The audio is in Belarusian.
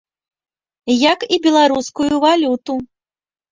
Як і беларускую валюту.